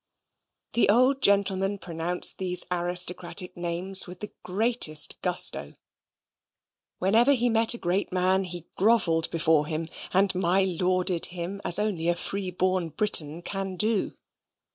The old gentleman pronounced these aristocratic names with the greatest gusto. Whenever he met a great man he grovelled before him, and my lorded him as only a free born Briton can do.